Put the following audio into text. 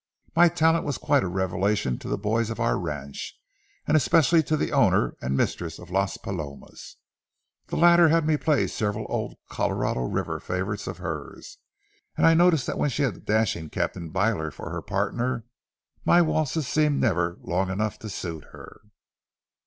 My talent was quite a revelation to the boys of our ranch, and especially to the owner and mistress of Las Palomas. The latter had me play several old Colorado River favorites of hers, and I noticed that when she had the dashing Captain Byler for her partner, my waltzes seemed never long enough to suit her.